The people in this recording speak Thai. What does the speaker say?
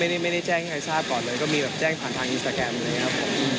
อันนี้ไม่ได้แจ้งให้ใครทราบก่อนเลยก็มีแบบแจ้งผ่านทางอินสตาแกรมเลยครับ